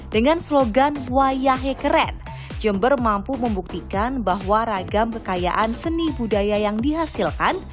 dengan slogan wayakeren jember mampu membuktikan bahwa ragam kekayaan seni budaya yang dihasilkan